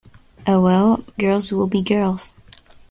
Oh, well, girls will be girls.